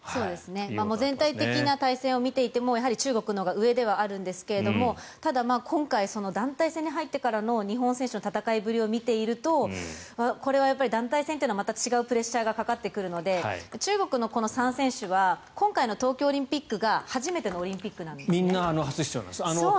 全体的な対戦を見ていてもやはり中国のほうが上ではあるんですがただ今回、団体戦に入ってからの日本選手の戦いぶりを見ているとこれは団体戦というのはまた違ったプレッシャーがかかってくるので中国のこの３選手は今回の東京オリンピックがみんな初出場なんです。